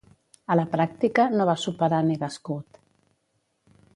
A la pràctica, no va superar NegaScout.